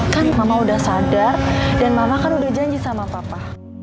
kan mama udah sadar dan mama kan udah janji sama papa